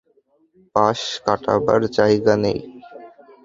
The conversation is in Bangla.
পাশ কাটাবার জায়গা নেই।